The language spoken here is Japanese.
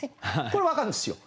これは分かるんですよ。